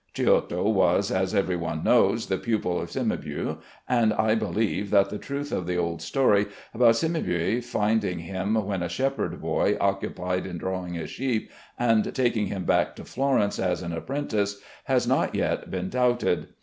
Giotto was (as every one knows) the pupil of Cimabue, and I believe that the truth of the old story about Cimabue finding him when a shepherd boy occupied in drawing a sheep, and taking him back to Florence as an apprentice, has not yet been doubted.